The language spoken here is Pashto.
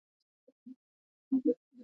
خاوره د افغانستان د طبیعت د ښکلا برخه ده.